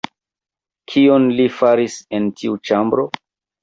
Kion li faris en tiu ĉambro?